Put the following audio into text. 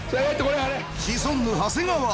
シソンヌ長谷川。